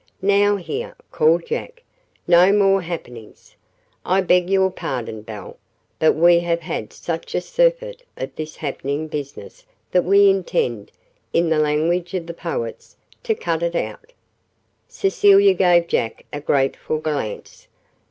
"Now, here!" called Jack. "No more happenings! I beg your pardon, Belle, but we have had such a surfeit of this happening business that we intend, in the language of the poets, to cut it out." Cecilia gave Jack a grateful glance.